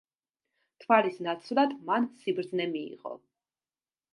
თვალის ნაცვლად მან სიბრძნე მიიღო.